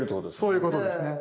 そういうことですね。